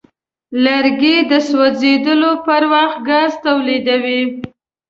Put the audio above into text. لرګی د سوځولو پر وخت ګاز تولیدوي.